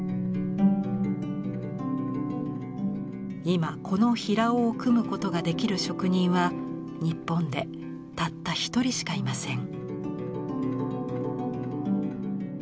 今この平緒を組むことができる職人は日本でたった一人しかいません。